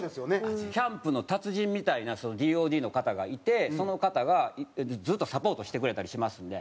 キャンプの達人みたいなＤＯＤの方がいてその方がずっとサポートしてくれたりしますんで。